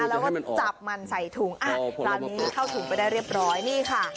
แล้วก็จับมันใส่ถุงอ่ะคราวนี้เข้าถุงไปได้เรียบร้อยนี่ค่ะ